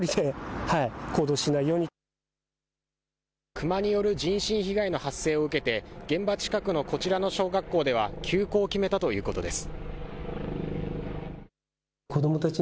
熊による人身被害の発生を受けて現場近くのこちらの小学校では休校を決めたということです。